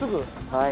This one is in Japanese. はい。